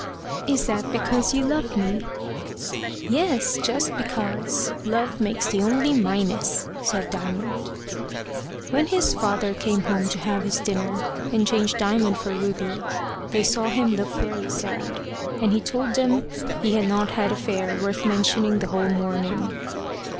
"Is that because you love me?" "Yes, just because. Love makes the only myness," said Diamond. When his father came home to have his dinner, and change Diamond for Ruby, they saw him look very sad, and he told them he had not had a fare worth mentioning the whole morning.